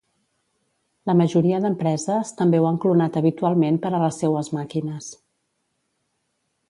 La majoria d'empreses també ho han clonat habitualment per a les seues màquines.